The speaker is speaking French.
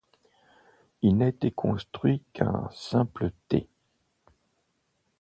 Il n'a été construit qu'un simple Té.